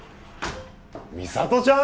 美里ちゃん？